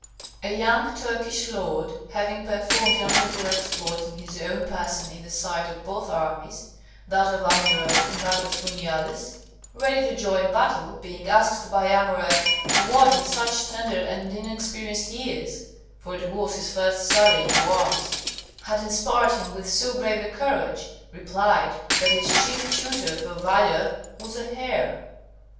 ] A young Turkish lord, having performed a notable exploit in his own person in the sight of both armies, that of Amurath and that of Huniades, ready to join battle, being asked by Amurath, what in such tender and inexperienced years (for it was his first sally into arms) had inspired him with so brave a courage, replied, that his chief tutor for valour was a hare.